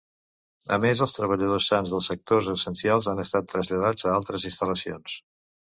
A més, els treballadors sans de sectors essencials han estat traslladats a altres instal·lacions.